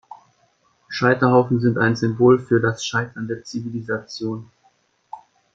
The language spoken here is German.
Scheiterhaufen sind ein Symbol für das Scheitern der Zivilisation.